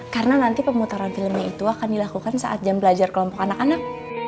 karena nanti pemutaran filmnya itu akan dilakukan saat jam belajar kelompok anak anak